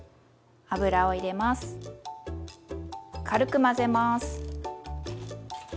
軽く混ぜます。